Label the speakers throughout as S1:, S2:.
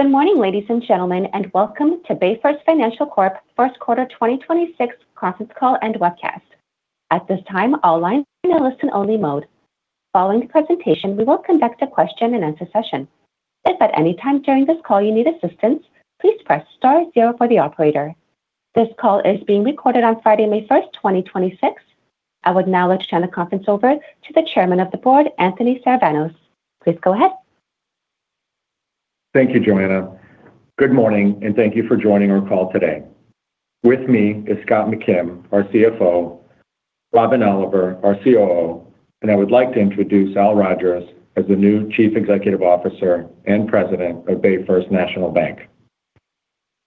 S1: Good morning, ladies and gentlemen, and welcome to BayFirst Financial Corp. first quarter 2026 conference call and webcast. At this time, all lines will be in a listen-only mode. Following the presentation, we will conduct a question-and-answer session. If at any time during this call you need assistance, please press star zero for the operator. This call is being recorded on Friday, May 1st, 2026. I would now like to turn the conference over to the Chairman of the Board, Anthony Saravanos. Please go ahead.
S2: Thank you, Joanna. Good morning, and thank you for joining our call today. With me is Scott McKim, our CFO, Robin Oliver, our COO, and I would like to introduce Al Rogers as the new Chief Executive Officer and President of BayFirst National Bank.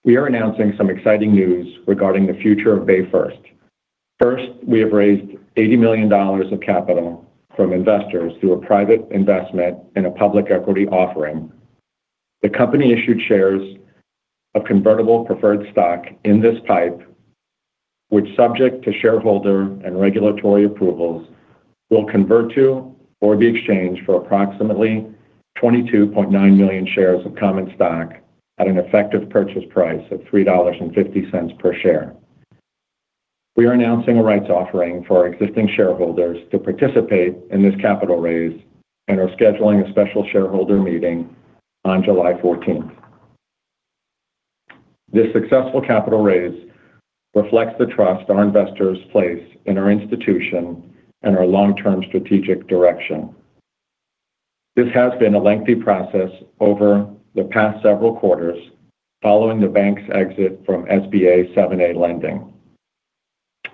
S2: We are announcing some exciting news regarding the future of BayFirst. First, we have raised $80 million of capital from investors through a private investment in a public equity offering. The company issued shares of convertible preferred stock in this PIPE, which, subject to shareholder and regulatory approvals, will convert to or be exchanged for approximately 22.9 million shares of common stock at an effective purchase price of $3.50 per share. We are announcing a rights offering for our existing shareholders to participate in this capital raise and are scheduling a special shareholder meeting on July 14th. This successful capital raise reflects the trust our investors place in our institution and our long-term strategic direction. This has been a lengthy process over the past several quarters following the bank's exit from SBA 7(a) lending.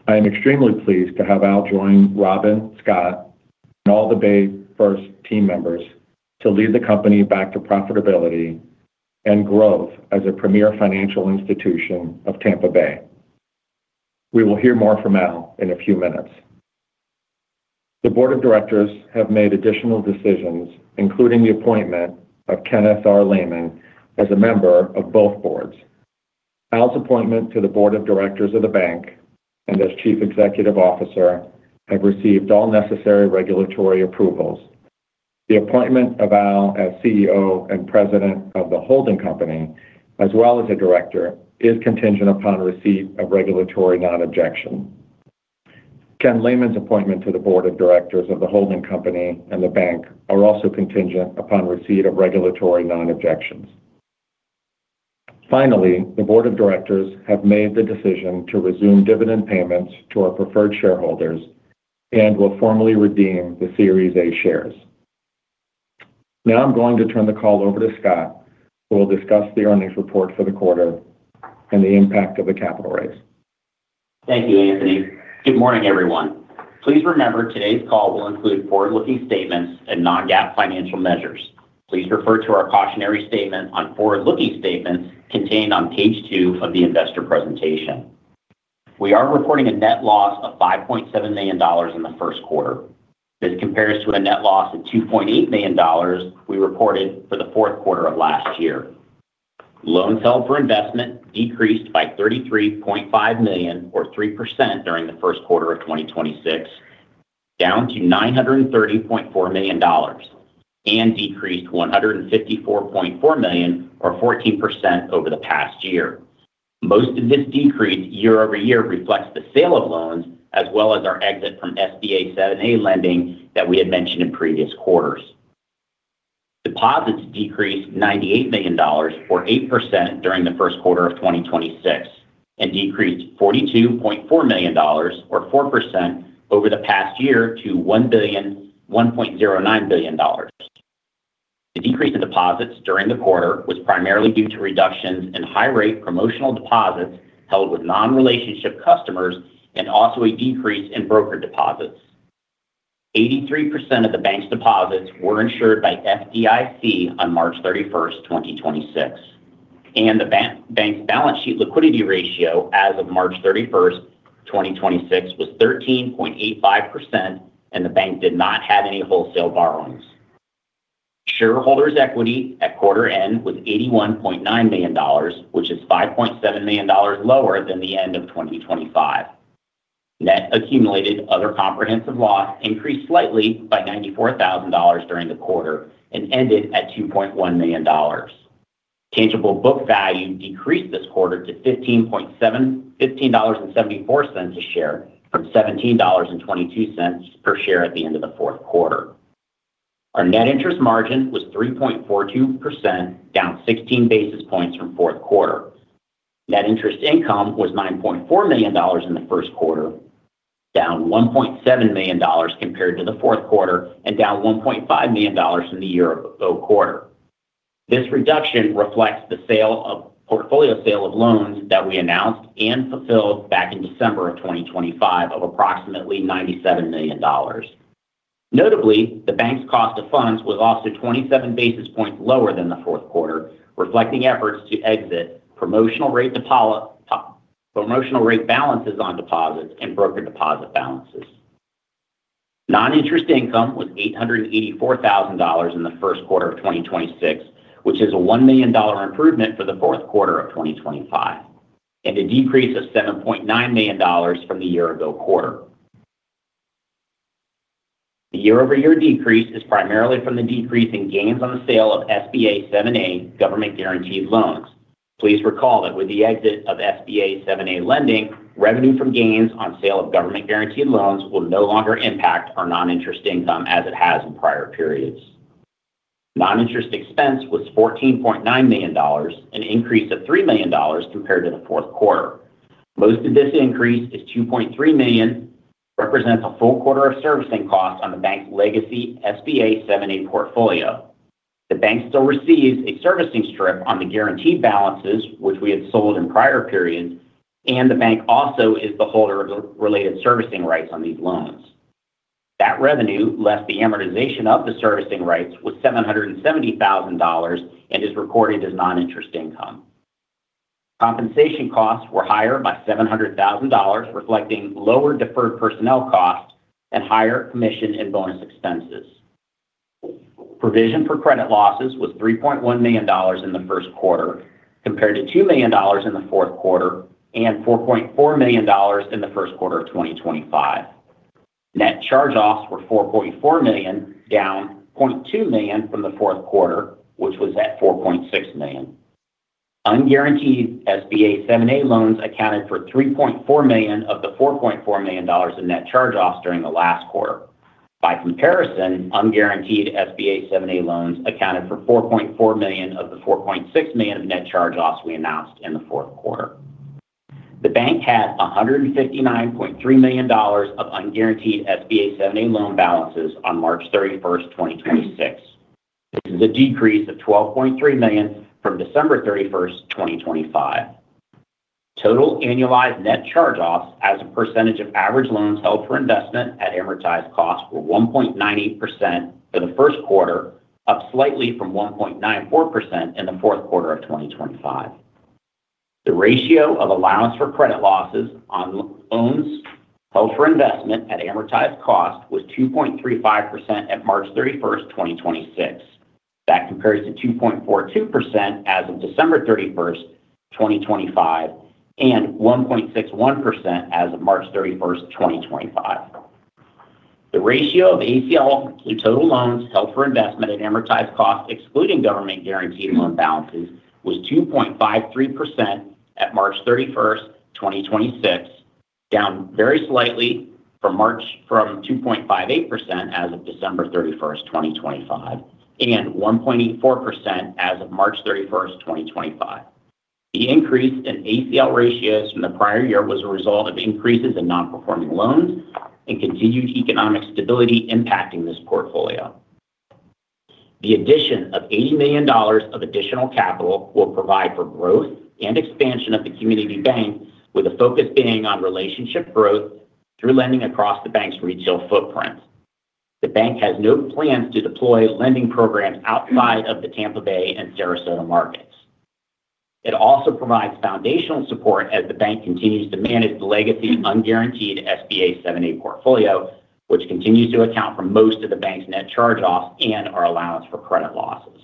S2: I am extremely pleased to have Al join Robin, Scott, and all the BayFirst team members to lead the company back to profitability and growth as a premier financial institution of Tampa Bay. We will hear more from Al in a few minutes. The board of directors have made additional decisions, including the appointment of Kenneth R. Lehman as a member of both boards. Al's appointment to the board of directors of the bank and as Chief Executive Officer have received all necessary regulatory approvals. The appointment of Al as CEO and President of the holding company, as well as a director, is contingent upon receipt of regulatory non-objection. Ken Lehman's appointment to the board of directors of the holding company and the bank are also contingent upon receipt of regulatory non-objections. Finally, the board of directors have made the decision to resume dividend payments to our preferred shareholders and will formally redeem the Series A preferred shares. I'm going to turn the call over to Scott, who will discuss the earnings report for the quarter and the impact of the capital raise.
S3: Thank you, Anthony Saravanos. Good morning, everyone. Please remember today's call will include forward-looking statements and non-GAAP financial measures. Please refer to our cautionary statement on forward-looking statements contained on page two of the investor presentation. We are reporting a net loss of $5.7 million in the first quarter. This compares to a net loss of $2.8 million we reported for the fourth quarter of last year. Loans held for investment decreased by $33.5 million or 3% during the first quarter of 2026, down to $930.4 million and decreased $154.4 million or 14% over the past year. Most of this decrease year-over-year reflects the sale of loans as well as our exit from SBA 7(a) lending that we had mentioned in previous quarters. Deposits decreased $98 million or 8% during the first quarter of 2026 and decreased $42.4 million or 4% over the past year to $1.09 billion. The decrease in deposits during the quarter was primarily due to reductions in high rate promotional deposits held with non-relationship customers and also a decrease in broker deposits. 83% of the bank's deposits were insured by FDIC on March 31, 2026, and the bank's balance sheet liquidity ratio as of March 31, 2026 was 13.85% and the bank did not have any wholesale borrowings. Shareholders' equity at quarter end was $81.9 million, which is $5.7 million lower than the end of 2025. Net accumulated other comprehensive loss increased slightly by $94,000 during the quarter and ended at $2.1 million. Tangible book value decreased this quarter to $15.74 a share from $17.22 per share at the end of the fourth quarter. Our net interest margin was 3.42%, down 16 basis points from fourth quarter. Net interest income was $9.4 million in the first quarter, down $1.7 million compared to the fourth quarter and down $1.5 million in the year ago quarter. This reduction reflects the portfolio sale of loans that we announced and fulfilled back in December of 2025 of approximately $97 million. Notably, the bank's cost of funds was also 27 basis points lower than the fourth quarter, reflecting efforts to exit pro-promotional rate balances on deposits and broker deposit balances. Non-interest income was $884,000 in the first quarter of 2026, which is a $1 million improvement for the fourth quarter of 2025 and a decrease of $7.9 million from the year-over-year quarter. The year-over-year decrease is primarily from the decrease in gains on the sale of SBA 7(a) government guaranteed loans. Please recall that with the exit of SBA 7(a) lending, revenue from gains on sale of government guaranteed loans will no longer impact our Non-interest income as it has in prior periods. Non-interest expense was $14.9 million, an increase of $3 million compared to the fourth quarter. Most of this increase is $2.3 million represents a full quarter of servicing costs on the bank's legacy SBA 7(a) portfolio. The bank still receives a servicing strip on the guaranteed balances, which we had sold in prior periods, and the bank also is the holder of the related servicing rights on these loans. That revenue, less the amortization of the servicing rights, was $770,000 and is recorded as non-interest income. Compensation costs were higher by $700,000, reflecting lower deferred personnel costs and higher commission and bonus expenses. Provision for credit losses was $3.1 million in the first quarter, compared to $2 million in the fourth quarter and $4.4 million in the first quarter of 2025. Net charge-offs were $4.4 million, down $0.2 million from the fourth quarter, which was at $4.6 million. Unguaranteed SBA 7(a) loans accounted for $3.4 million of the $4.4 million in net charge-offs during the last quarter. By comparison, unguaranteed SBA 7(a) loans accounted for $4.4 million of the $4.6 million of net charge-offs we announced in the fourth quarter. The bank had $159.3 million of unguaranteed SBA 7(a) loan balances on March 31, 2026. This is a decrease of $12.3 million from December 31, 2025. Total annualized net charge-offs as a percentage of average loans held for investment at amortized costs were 1.98% for the first quarter, up slightly from 1.94% in the fourth quarter of 2025. The ratio of allowance for credit losses on loans held for investment at amortized cost was 2.35% at March 31, 2026. That compares to 2.42% as of December 31, 2025, and 1.61% as of March 31, 2025. The ratio of ACL to total loans held for investment at amortized cost, excluding government guaranteed loan balances, was 2.53% at March 31, 2026, down very slightly from 2.58% as of December 31, 2025, and 1.84% as of March 31, 2025. The increase in ACL ratios from the prior year was a result of increases in non-performing loans and continued economic stability impacting this portfolio. The addition of $80 million of additional capital will provide for growth and expansion of the community bank, with a focus being on relationship growth through lending across the bank's retail footprint. The bank has no plans to deploy lending programs outside of the Tampa Bay and Sarasota markets. It also provides foundational support as the bank continues to manage the legacy unguaranteed SBA 7(a) portfolio, which continues to account for most of the bank's net charge-offs and our allowance for credit losses.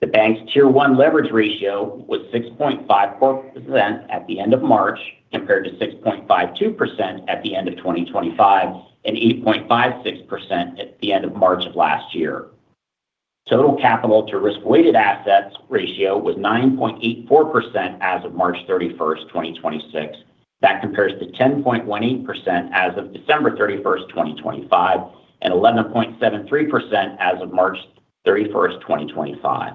S3: The bank's Tier 1 leverage ratio was 6.54% at the end of March, compared to 6.52% at the end of 2025 and 8.56% at the end of March of last year. Total capital to risk-weighted assets ratio was 9.84% as of March 31st, 2026. That compares to 10.18% as of December 31st, 2025, and 11.73% as of March 31st, 2025.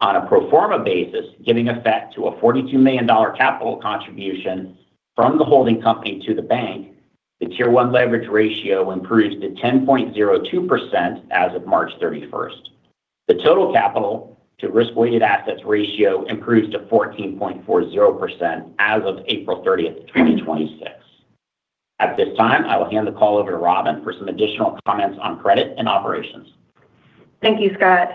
S3: On a pro forma basis, giving effect to a $42 million capital contribution from the holding company to the bank, the Tier 1 leverage ratio improves to 10.02% as of March 31st. The total capital to risk-weighted assets ratio improves to 14.40% as of April 30th, 2026. At this time, I will hand the call over to Robin for some additional comments on credit and operations.
S4: Thank you, Scott.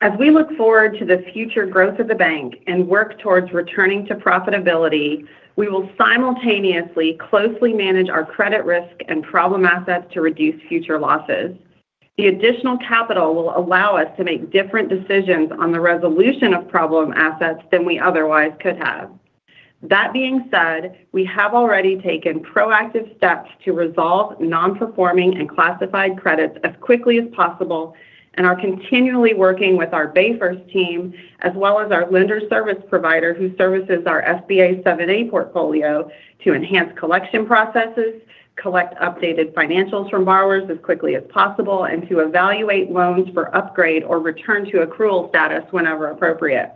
S4: As we look forward to the future growth of the bank and work towards returning to profitability, we will simultaneously closely manage our credit risk and problem assets to reduce future losses. The additional capital will allow us to make different decisions on the resolution of problem assets than we otherwise could have. That being said, we have already taken proactive steps to resolve non-performing and classified credits as quickly as possible and are continually working with our BayFirst team, as well as our lender service provider who services our SBA 7(a) portfolio to enhance collection processes, collect updated financials from borrowers as quickly as possible, and to evaluate loans for upgrade or return to accrual status whenever appropriate.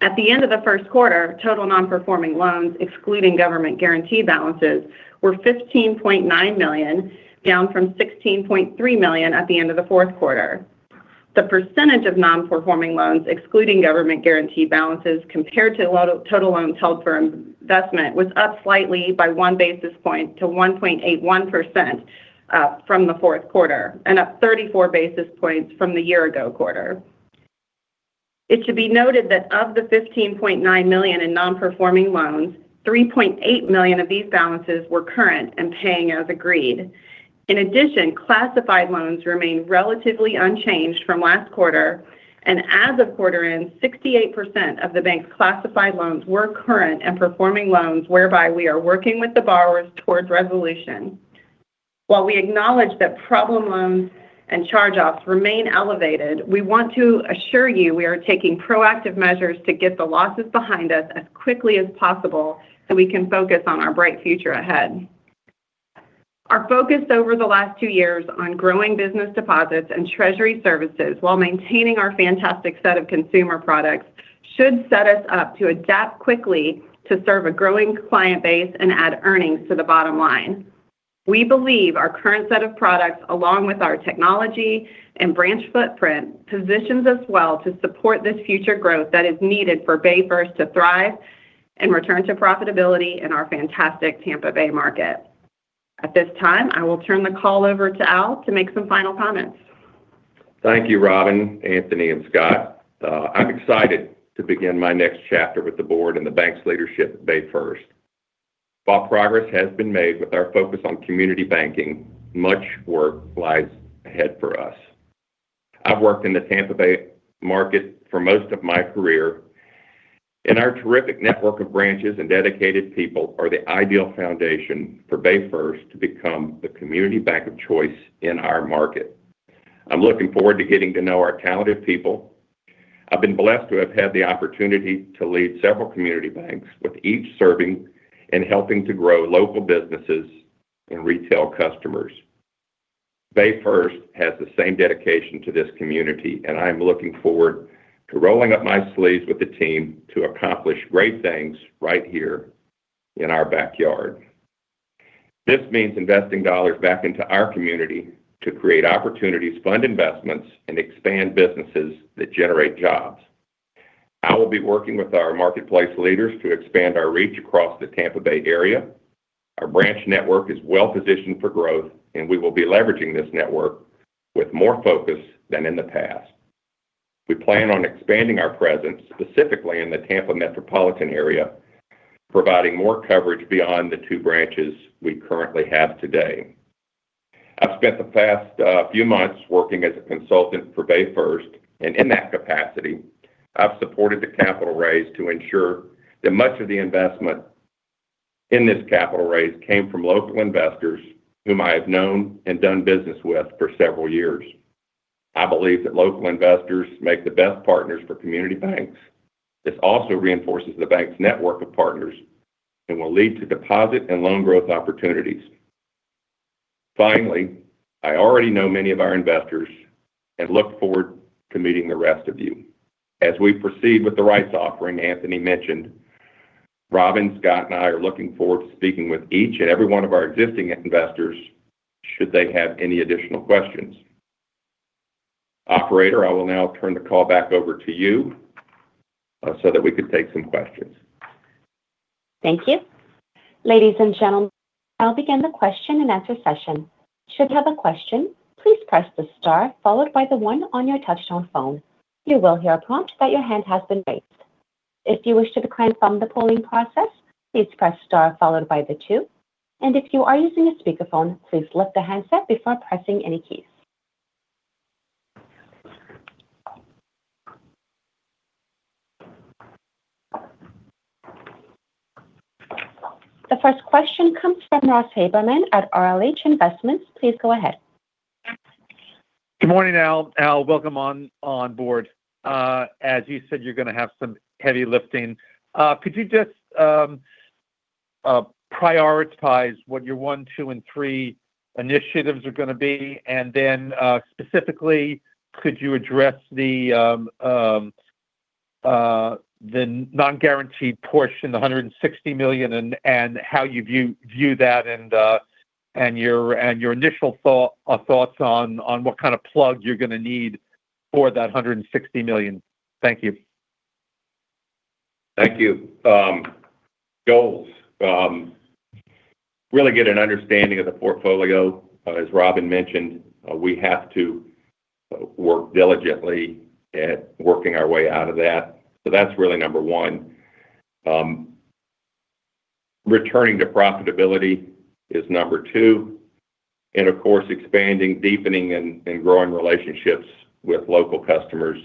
S4: At the end of the first quarter, total non-performing loans, excluding government guarantee balances, were $15.9 million, down from $16.3 million at the end of the fourth quarter. The percentage of non-performing loans, excluding government guarantee balances, compared to total loans held for investment was up slightly by 1 basis point to 1.81% from the fourth quarter and up 34 basis points from the year ago quarter. It should be noted that of the $15.9 million in non-performing loans, $3.8 million of these balances were current and paying as agreed. In addition, classified loans remain relatively unchanged from last quarter, and as of quarter end, 68% of the bank's classified loans were current and performing loans whereby we are working with the borrowers towards resolution. While we acknowledge that problem loans and charge-offs remain elevated, we want to assure you we are taking proactive measures to get the losses behind us as quickly as possible so we can focus on our bright future ahead. Our focus over the last two years on growing business deposits and treasury services while maintaining our fantastic set of consumer products should set us up to adapt quickly to serve a growing client base and add earnings to the bottom line. We believe our current set of products, along with our technology and branch footprint, positions us well to support this future growth that is needed for BayFirst to thrive and return to profitability in our fantastic Tampa Bay market. At this time, I will turn the call over to Al to make some final comments.
S5: Thank you, Robin, Anthony, and Scott. I'm excited to begin my next chapter with the board and the bank's leadership at BayFirst. While progress has been made with our focus on community banking, much work lies ahead for us. I've worked in the Tampa Bay market for most of my career, and our terrific network of branches and dedicated people are the ideal foundation for BayFirst to become the community bank of choice in our market. I'm looking forward to getting to know our talented people. I've been blessed to have had the opportunity to lead several community banks, with each serving and helping to grow local businesses and retail customers. BayFirst has the same dedication to this community, and I'm looking forward to rolling up my sleeves with the team to accomplish great things right here in our backyard. This means investing dollars back into our community to create opportunities, fund investments, and expand businesses that generate jobs. I will be working with our marketplace leaders to expand our reach across the Tampa Bay area. Our branch network is well-positioned for growth, and we will be leveraging this network with more focus than in the past. We plan on expanding our presence, specifically in the Tampa metropolitan area, providing more coverage beyond the two branches we currently have today. I've spent the past few months working as a consultant for BayFirst, and in that capacity, I've supported the capital raise to ensure that much of the investment in this capital raise came from local investors whom I have known and done business with for several years. I believe that local investors make the best partners for community banks. This also reinforces the bank's network of partners and will lead to deposit and loan growth opportunities. Finally, I already know many of our investors and look forward to meeting the rest of you. As we proceed with the rights offering Anthony mentioned, Robin, Scott, and I are looking forward to speaking with each and every one of our existing investors should they have any additional questions. Operator, I will now turn the call back over to you, so that we could take some questions.
S1: Thank you. Ladies and gentlemen, I'll begin the question-and-answer session. Should you have a question, please press the star followed by the one on your touchtone phone. You will hear a prompt that your hand has been raised. If you wish to decline from the polling process, please press star followed by the two. If you are using a speakerphone, please lift the handset before pressing any keys. The first question comes from Ross Haberman at RLH Investments. Please go ahead.
S6: Good morning, Al. Al, welcome on board. As you said, you're gonna have some heavy lifting. Could you just prioritize what your one, two, and three initiatives are gonna be? Specifically, could you address the non-guaranteed portion, the $160 million and how you view that and your initial thoughts on what kind of plug you're gonna need for that $160 million? Thank you.
S5: Thank you. Goals. Really get an understanding of the portfolio. As Robin mentioned, we have to work diligently at working our way out of that. That's really number one. Returning to profitability is number two. Of course, expanding, deepening, and growing relationships with local customers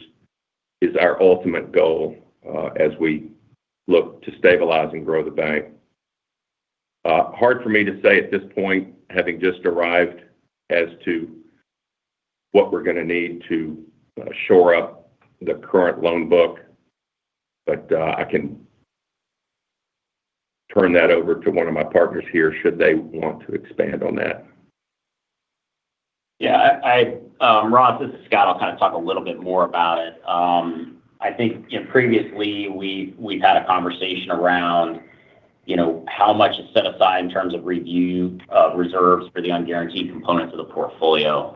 S5: is our ultimate goal, as we look to stabilize and grow the bank. Hard for me to say at this point, having just arrived, as to what we're gonna need to shore up the current loan book. I can turn that over to one of my partners here should they want to expand on that.
S3: Yeah, I, Ross, this is Scott. I'll kind of talk a little bit more about it. I think, you know, previously we've had a conversation around, you know, how much is set aside in terms of review, reserves for the unguaranteed components of the portfolio.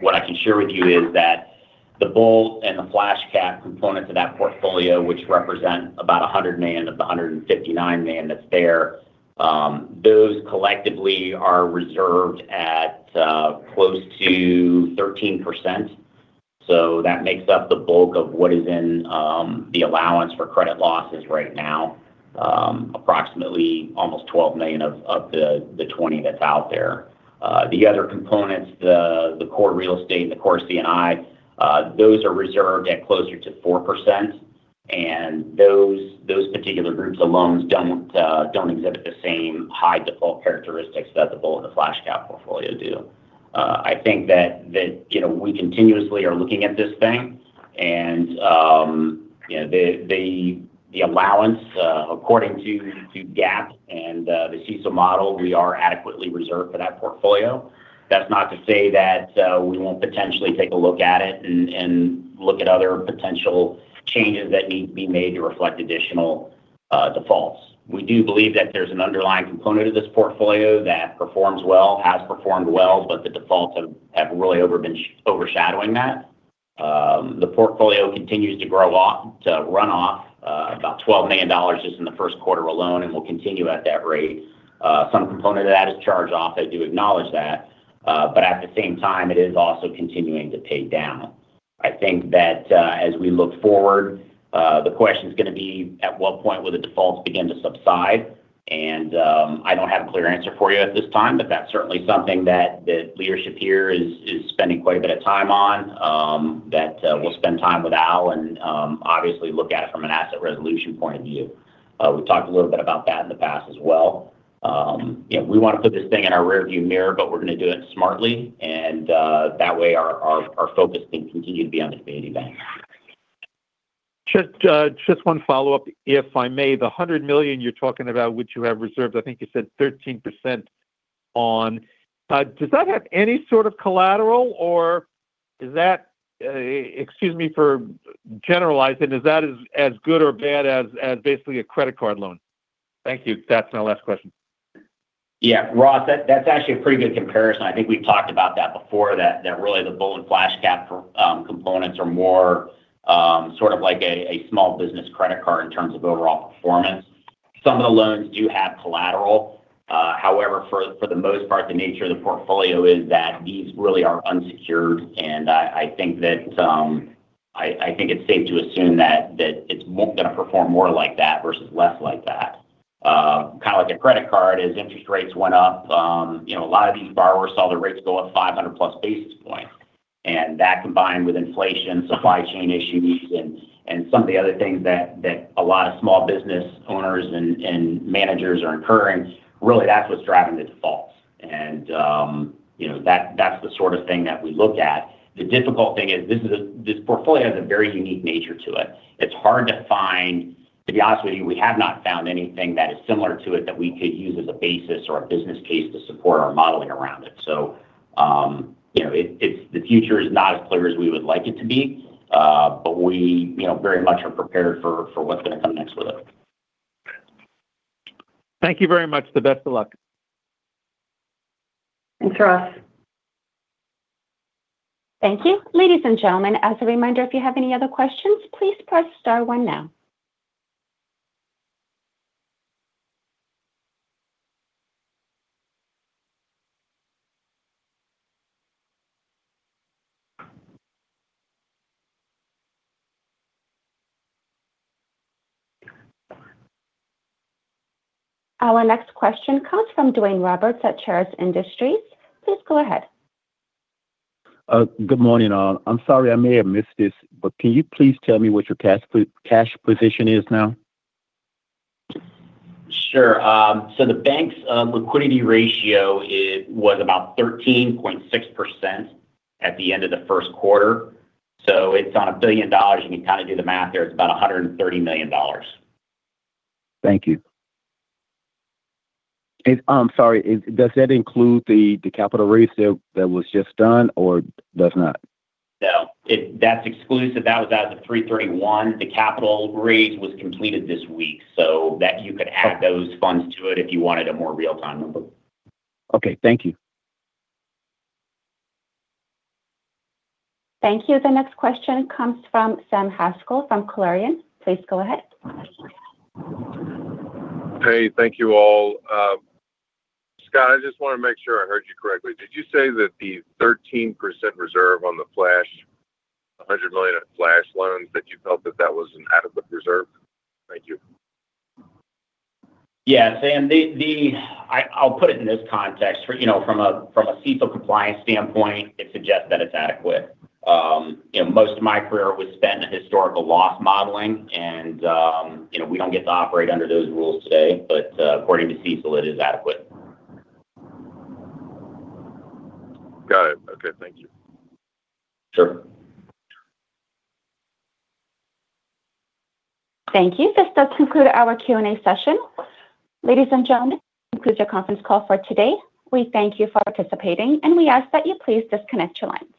S3: What I can share with you is that the Bolt and the FlashCap components of that portfolio, which represent about $100 million of the $159 million that's there, those collectively are reserved at close to 13%. That makes up the bulk of what is in the allowance for credit losses right now. Approximately almost $12 million of the $20 million that's out there. The other components, the core real estate and the core C&I, those are reserved at closer to 4%. Those, those particular groups of loans don't exhibit the same high default characteristics that the Bolt and the FlashCap portfolio do. I think that, you know, we continuously are looking at this thing and, yeah, the, the allowance, according to GAAP and, the CECL model, we are adequately reserved for that portfolio. That's not to say that we won't potentially take a look at it and look at other potential changes that need to be made to reflect additional defaults. We do believe that there's an underlying component of this portfolio that performs well, has performed well, but the defaults have really been overshadowing that. The portfolio continues to grow off, to run off about $12 million just in the first quarter alone and will continue at that rate. Some component of that is charge off, I do acknowledge that. At the same time, it is also continuing to pay down. I think that, as we look forward, the question's gonna be at what point will the defaults begin to subside? I don't have a clear answer for you at this time, but that's certainly something that, the leadership here is spending quite a bit of time on. That, we'll spend time with Al and, obviously look at it from an asset resolution point of view. We've talked a little bit about that in the past as well. Yeah, we wanna put this thing in our rear view mirror, but we're gonna do it smartly and, that way our focus can continue to be on expanding Bank.
S6: Just, just one follow-up, if I may. The $100 million you're talking about, which you have reserved, I think you said 13% on. Does that have any sort of collateral or is that, excuse me for generalizing, as good or bad as basically a credit card loan? Thank you. That's my last question.
S3: Yeah. Ross, that's actually a pretty good comparison. I think we've talked about that before, that really the Bolt and FlashCap for components are more sort of like a small business credit card in terms of overall performance. Some of the loans do have collateral. However, for the most part, the nature of the portfolio is that these really are unsecured. I think that, I think it's safe to assume that it's more gonna perform more like that versus less like that. Kinda like a credit card, as interest rates went up, you know, a lot of these borrowers saw their rates go up 500+ basis points. That combined with inflation, supply chain issues and some of the other things that a lot of small business owners and managers are incurring, really that's what's driving the defaults. You know, that's the sort of thing that we looked at. The difficult thing is this portfolio has a very unique nature to it. It's hard to find. To be honest with you, we have not found anything that is similar to it that we could use as a basis or a business case to support our modeling around it. You know, the future is not as clear as we would like it to be, but we, you know, very much are prepared for what's gonna come next with it.
S6: Thank you very much. The best of luck.
S5: Thanks, Ross.
S1: Thank you. Ladies and gentlemen, as a reminder, if you have any other questions, please press star one now. Our next question comes from Duane Roberts at Charis Industries. Please go ahead.
S7: Good morning, all. I'm sorry, I may have missed this, can you please tell me what your cash position is now?
S3: Sure. The bank's liquidity ratio was about 13.6% at the end of the first quarter. It's on a $1 billion. You can kind of do the math there. It's about $130 million.
S7: Thank you. I'm sorry. Does that include the capital raise that was just done or does not?
S3: No. That's exclusive. That was as of 3/31. The capital raise was completed this week, so that you could add those funds to it if you wanted a more real-time number.
S7: Okay. Thank you.
S1: Thank you. The next question comes from Sam Haskell from Clarion. Please go ahead.
S8: Hey, thank you all. Scott, I just wanna make sure I heard you correctly. Did you say that the 13% reserve on the Flash, $100 million on Flash loans, that you felt that that was an adequate reserve? Thank you.
S3: Yeah. Sam, I'll put it in this context. You know, from a CECL compliance standpoint, it suggests that it's adequate. You know, most of my career was spent in historical loss modeling and, you know, we don't get to operate under those rules today, but according to CECL, it is adequate.
S8: Got it. Okay. Thank you.
S3: Sure.
S1: Thank you. This does conclude our Q&A session. Ladies and gentlemen, this concludes your conference call for today. We thank you for participating, and we ask that you please disconnect your line.